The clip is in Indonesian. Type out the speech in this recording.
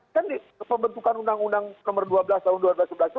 kan di pembentukan undang undang nomor dua belas tahun dua ribu sebelas itu